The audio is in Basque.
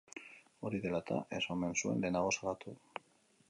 Hori dela eta, ez omen zuen lehenago salatu.